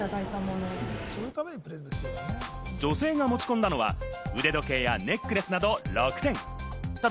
女性が持ち込んだのは腕時計やネックレスなど６点。